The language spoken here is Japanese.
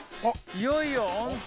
いよいよ温泉！